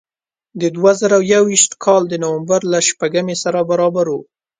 د دوه زره یو ویشت کال د نوامبر له شپږمې سره برابر و.